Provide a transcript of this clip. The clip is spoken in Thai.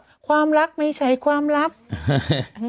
หมายถึงชายพิษหรอหมายถึงน้องผู้ชายเขาอาจจะเป็นแบบฟิลล์นี้หรือเปล่าอะไรอย่างเงี้ย